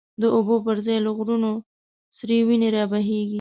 د اوبو پر ځای له غرونو، سری وینی را بهیږی